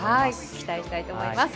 期待したいと思います。